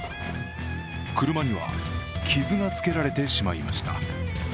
車には傷がつけられてしまいました。